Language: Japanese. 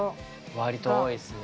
割と多いですね。